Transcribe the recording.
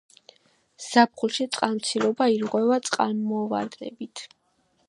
ზაფხულში წყალმცირობა ირღვევა წყალმოვარდნებით.